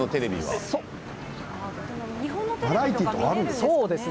バラエティーとかあるんですか？